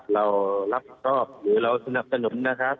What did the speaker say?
เรารับชอบหรือเราสนับสนุนนะครับ